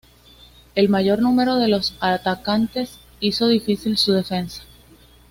El mayor número de los atacantes hizo difícil su defensa.